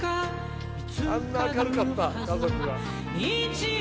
あんな明るかった家族が・